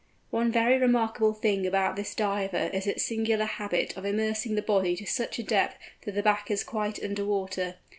One very remarkable thing about this Diver is its singular habit of immersing the body to such a depth that the back is quite under water.